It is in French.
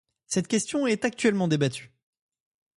Cette question est actuellement débattue.